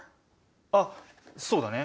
あっそうだね。